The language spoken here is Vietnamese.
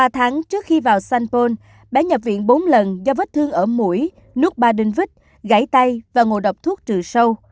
ba tháng trước khi vào sanpon bé nhập viện bốn lần do vết thương ở mũi nuốt ba đinh vít gãy tay và ngộ độc thuốc trừ sâu